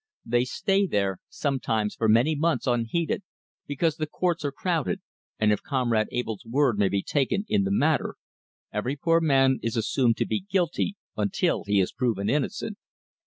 They stay there, sometimes for many months unheeded, because the courts are crowded, and if Comrade Abell's word may be taken in the matter, every poor man is assumed to be guilty until he is proven innocent.